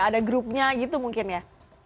ada grupnya gitu mungkin ya